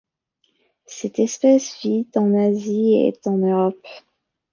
Cette espèce vit en Asie et en Europe.